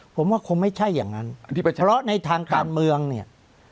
ผมว่าคงไม่ใช่อย่างนั้นเพราะในทางการเมืองเนี่ย